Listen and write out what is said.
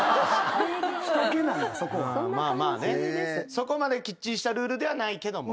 そこまできっちりしたルールではないけども。